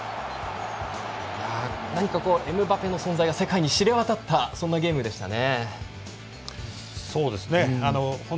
何かエムバペの存在が世界に知れ渡ったそんなゲームでしたね。